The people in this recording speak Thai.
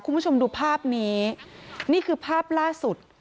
คุณผู้ชมดูภาพนี้นี่คือภาพล่าสุด